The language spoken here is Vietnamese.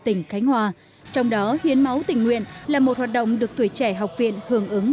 tỉnh khánh hòa trong đó hiến máu tình nguyện là một hoạt động được tuổi trẻ học viện hưởng ứng